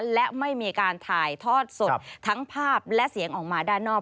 และไม่มีการถ่ายทอดสดทั้งภาพและเสียงออกมาด้านนอก